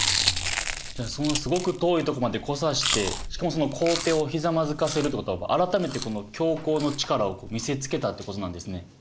じゃあそのすごく遠いとこまで来さしてしかもその皇帝をひざまずかせるってことは改めて教皇の力を見せつけたってことなんですね。